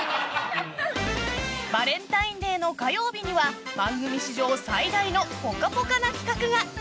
バレンタインデーの火曜日には番組史上最大のぽかぽかな企画が。